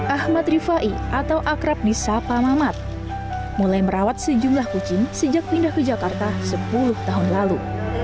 ahmad rifai atau akrab di sapa mamat mulai merawat sejumlah kucing sejak pindah ke jakarta sepuluh tahun lalu